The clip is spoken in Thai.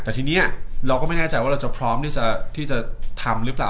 แต่ทีนี้เราก็ไม่แน่ใจว่าเราจะพร้อมที่จะทำหรือเปล่า